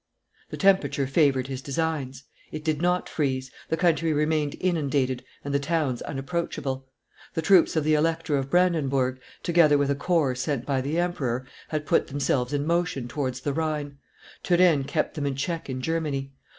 The temperature favored his designs; it did not freeze, the country remained inundated and the towns unapproachable; the troops of the Elector of Brandenburg, together with a corps sent by the emperor, had put themselves in motion towards the Rhine; Turenne kept them in check in Germany.